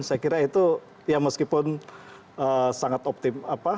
saya kira itu ya meskipun sangat optim apa